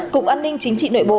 cục an ninh chính trị nội bộ